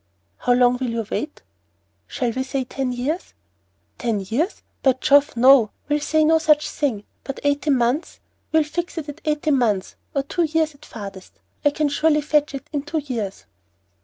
"How long will you wait?" "Shall we say ten years?" "Ten years! By Jove, no! We'll say no such thing! But eighteen months, we'll fix it at eighteen months, or two years at farthest. I can surely fetch it in two years."